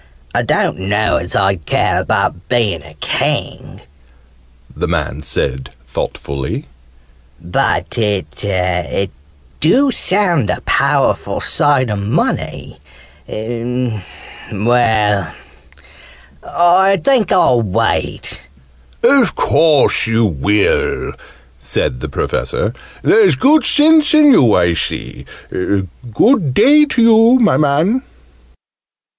"I don't know as I'd care about being a King," the man said thoughtfully. "But it dew sound a powerful sight o' money! Well, I think I'll wait " "Of course you will!" said the Professor. "There's good sense in you, I see. Good day to you, my man!"